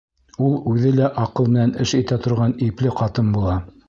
Ул үҙе лә аҡыл менән эш итә торған ипле ҡатын була.